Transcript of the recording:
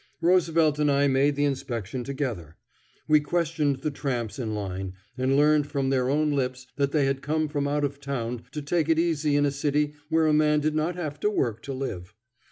Roosevelt and I made the inspection together. We questioned the tramps in line, and learned from their own lips that they had come from out of town to take it easy in a city where a man did not have to work to live.